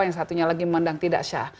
yang satunya lagi memandang tidak syah